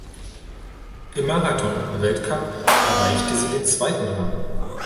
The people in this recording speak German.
Im Marathon-Weltcup erreichte sie den zweiten Rang.